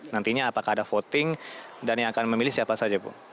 nantinya apakah ada voting dan yang akan memilih siapa saja bu